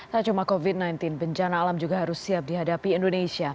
tak cuma covid sembilan belas bencana alam juga harus siap dihadapi indonesia